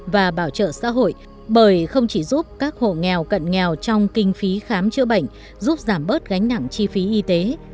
và bảo trợ xã hội bởi không chỉ giúp các hộ nghèo cận nghèo trong kinh phí khám chữa bệnh giúp giảm bớt gánh nặng chi phí y tế